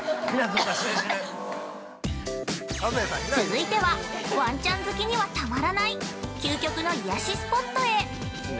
◆続いては、わんちゃん好きにはたまらない究極の癒やしスポットへ。